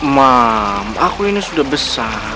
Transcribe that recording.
mam aku ini sudah besar